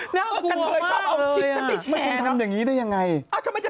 น่ากลัวมากเลยนะมันคงทำอย่างนี้ได้ยังไงชอบเอาคลิปฉันไปแชร์